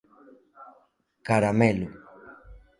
Caramelo.